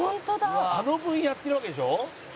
「あの分やってるわけでしょ？」